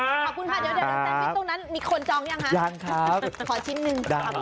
ขอบคุณค่ะทีนี้จะแจกกันตรงนั้นมีคนจองอย่างครับ